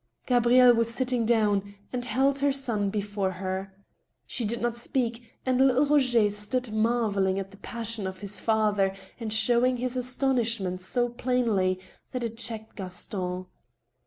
Gabrielle was sitting down, and held her son before her. She did not speak, and little Roger stood marveling at the passion of his father, and showing his astonishment so plainly that it checked Gaston.